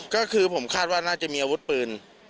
ก็คือผมคาดว่าน่าจะมีอาวุธปืน